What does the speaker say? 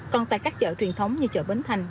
còn tại các chợ truyền thống như chợ bến thành